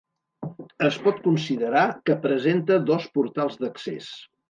Es pot considerar que presenta dos portals d'accés.